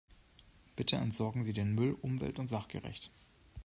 Bitte entsorgen Sie den Müll umwelt- und sachgerecht.